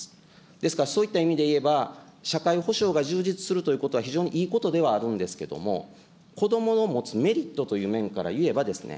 ですからそういった意味でいえば、社会保障が充実するということは非常にいいことではあるんですけれども、子どもの持つメリットという面からいえばですね、